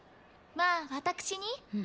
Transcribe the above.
まあ私に？